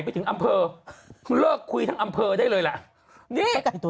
ไปถึงอำเภอเลิกคุยทั้งอำเภอได้เลยล่ะนี่